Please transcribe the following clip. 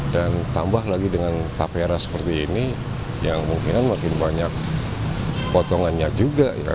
dan tambah lagi dengan tapera seperti ini yang mungkin makin banyak potongannya juga ya